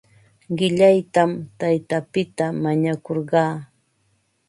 Qillaytam taytapita mañakurqaa.